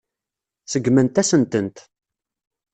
Seggment-asen-tent.